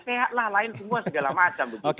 sehatlah lain semua segala macam begitu